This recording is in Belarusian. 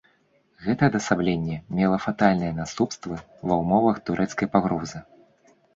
Гэта адасабленне мела фатальныя наступствы ва ўмовах турэцкай пагрозы.